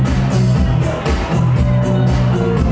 ไม่ต้องถามไม่ต้องถาม